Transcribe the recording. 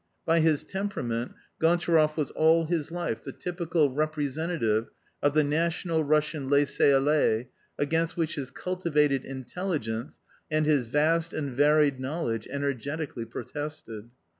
" By his temperament, Gontcharoff was all his life the typical representative of the national Russian laisscr aller against which his cultivated intelligence and his vast and varied knowledge energetically protested.